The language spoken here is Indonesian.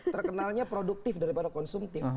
terkenalnya produktif daripada konsumtif